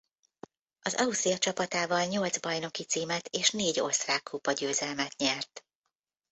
Az Austria csapatával nyolc bajnoki címet és négy osztrák kupagyőzelmet nyert.